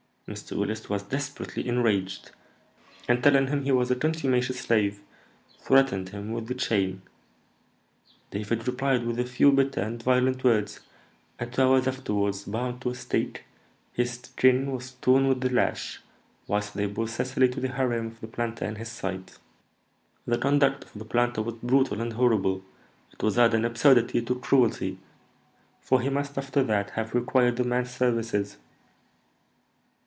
Mr. Willis was desperately enraged, and, telling him he was a contumacious slave, threatened him with the chain. David replied with a few bitter and violent words; and, two hours afterwards, bound to a stake, his skin was torn with the lash, whilst they bore Cecily to the harem of the planter in his sight." "The conduct of the planter was brutal and horrible; it was adding absurdity to cruelty, for he must after that have required the man's services."